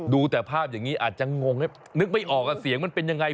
ดูแต่ภาพอย่างนี้อาจจะงงนึกไม่ออกว่าเสียงมันเป็นยังไง